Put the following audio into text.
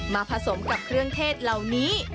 ผสมกับเครื่องเทศเหล่านี้